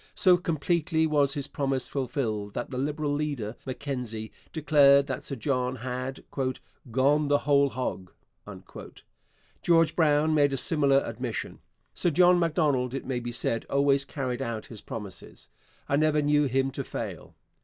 So completely was his promise fulfilled that the Liberal leader, Mackenzie, declared that Sir John had 'gone the whole hog.' George Brown made a similar admission. Sir John Macdonald, it may be said, always carried out his promises. I never knew him to fail.